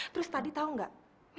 terus tadi tau gak